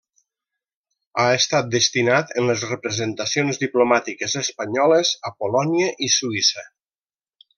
Ha estat destinat en les representacions diplomàtiques espanyoles a Polònia i Suïssa.